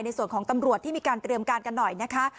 ในส่วนของตำรวจที่มีการเตรียมการกันหน่อยนะคะ